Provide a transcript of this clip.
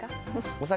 お酒？